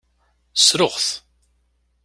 Ssruɣ-t.